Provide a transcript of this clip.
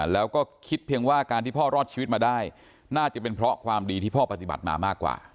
แล้วก็คิดเพียงว่าการที่พ่อรอดชีวิตมาได้น่าจะเป็นเพราะความดีที่พ่อปฏิบัติมามากกว่า